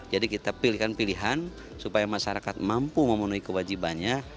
jadi kita pilihkan pilihan supaya masyarakat mampu memenuhi kewajibannya